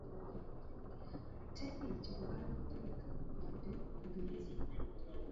Teri kikugaana kutegeka wadde bugenze.